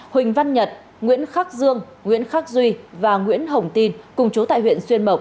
huỳnh văn nhật nguyễn khắc dương nguyễn khắc duy và nguyễn hồng tin cùng chú tại huyện xuyên mộc